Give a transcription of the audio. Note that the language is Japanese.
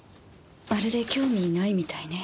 まるで興味ないみたいね。